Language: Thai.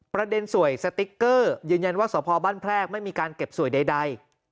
ประเด็นสวยสติ๊กเกอร์ยืนยันว่าสพบ้านแพรกไม่มีการเก็บสวยใด